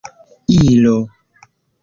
ilo